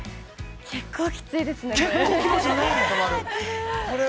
◆結構きついですね、これ。